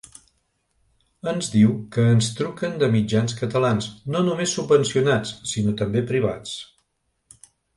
Ens diu que ens truquen de mitjans catalans, no només subvencionats, sinó també privats.